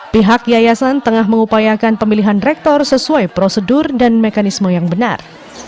pihak yayasan tengah mengupayakan pemilihan rektor sesuai prosedur dan mekanisme yang benar